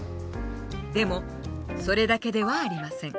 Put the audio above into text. でもそれだけではありません。